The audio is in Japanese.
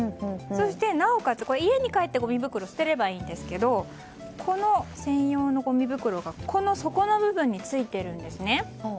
そして、なおかつ家に帰ってごみ袋を捨てればいいですがこの専用のごみ袋が底の部分についているんですね。